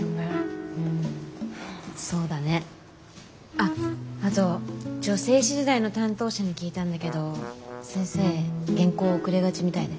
あっあと女性誌時代の担当者に聞いたんだけど先生原稿遅れがちみたいで。